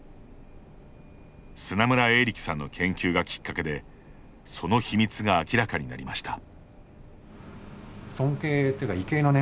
砂村栄力さんの研究がきっかけでその秘密が明らかになりました。